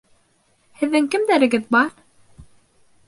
Һеҙҙең кемдәрегеҙ бар?